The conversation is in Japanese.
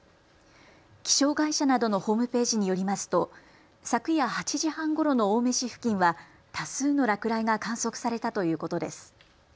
気象会社などのホームページによりますと昨夜８時半ごろの青梅市付近は多数の落雷が観測されたということです。